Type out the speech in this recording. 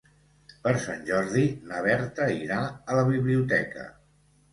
Per Sant Jordi na Berta irà a la biblioteca.